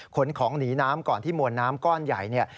ขนของหนีน้ำก่อนที่มวลน้ำก้อนใหญ่เนี่ย